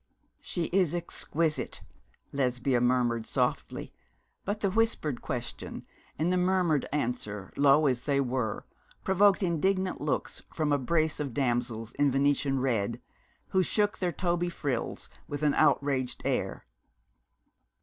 'She is exquisite,' Lesbia murmured softly, but the whispered question and the murmured answer, low as they were, provoked indignant looks from a brace of damsels in Venetian red, who shook their Toby frills with an outraged air.